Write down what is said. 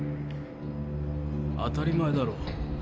当たり前だろ。